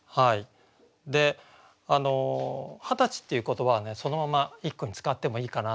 で「二十歳」っていう言葉はねそのまま一句に使ってもいいかなと思うんですよね。